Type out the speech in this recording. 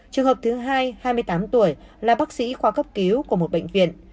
trường hợp thứ hai hai mươi tám tuổi là bác sĩ khoa cấp cứu của một bệnh viện